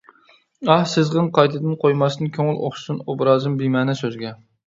ئاھ! سىزغىن قايتىدىن قويماستىن كۆڭۈل ئوخشىسۇن ئوبرازىم بىمەنە سۆزگە.